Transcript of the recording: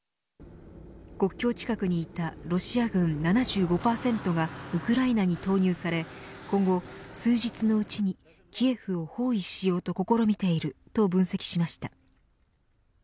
国境近くにいたロシア軍７５％がウクライナに投入され今後、数日のうちにキエフを包囲しようと試みていると分析しました。